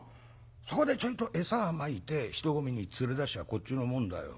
そこでちょいと餌まいて人混みに連れ出しゃこっちのもんだよ。